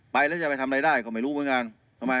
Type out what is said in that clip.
ไปแล้วจะไปทำไรได้เขาไม่รู้พวงงานทำไม